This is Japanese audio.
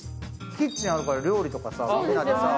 キッチンあるから料理とかさ。